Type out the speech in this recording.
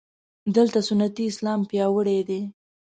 دلته سنتي اسلام پیاوړی دی.